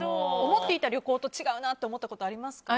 思っていた旅行と違うなと思うことありますか？